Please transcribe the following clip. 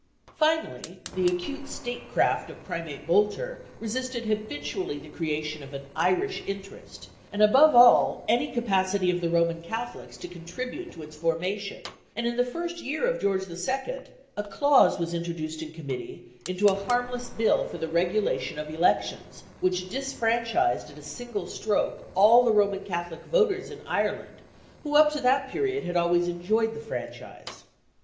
Finally, the acute state craft of Primate Boulter resisted habitually the creation of an "Irish interest," and above all any capacity of the Roman Catholics to contribute to its formation; and in the first year of George II. a clause was introduced in committee into a harmless Bill for the regulation of elections, which disfranchised at a single stroke all the Roman Catholic voters in Ireland who up to that period had always enjoyed the franchise.